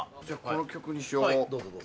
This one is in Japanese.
じゃあこの曲にしよう。